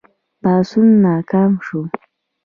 پاڅون ناکام شو.